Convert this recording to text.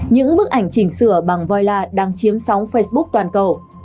những bức ảnh chỉnh sửa bằng voila đang chiếm sóng facebook toàn cầu